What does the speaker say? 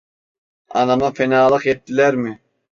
Anama fenalık ettiler mi?